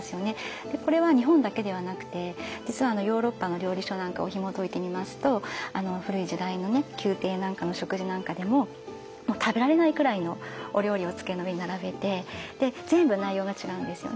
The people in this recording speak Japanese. これは日本だけではなくて実はヨーロッパの料理書なんかをひもといてみますと古い時代の宮廷なんかの食事なんかでも食べられないくらいのお料理を机の上に並べてで全部内容が違うんですよね。